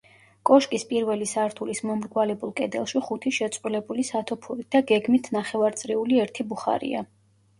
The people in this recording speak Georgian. კოშკის პირველი სართულის მომრგვალებულ კედელში ხუთი შეწყვილებული სათოფური და გეგმით ნახევარწრიული ერთი ბუხარია.